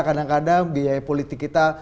kadang kadang biaya politik kita